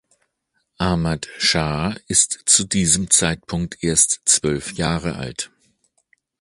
Ahmad Schah ist zu diesem Zeitpunkt erst zwölf Jahre alt.